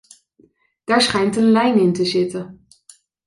Daar schijnt een lijn in te zitten.